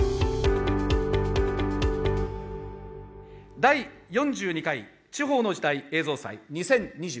第４２回「地方の時代」映像祭２０２２